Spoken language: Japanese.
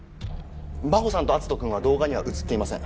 真帆さんと篤斗君は動画には写っていません。